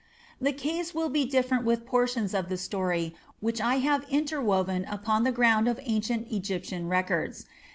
The case will be different with those portions of the story which I have interwoven upon the ground of ancient Egyptian records.